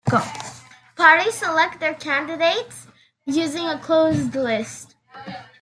Parties select their candidates using a closed list.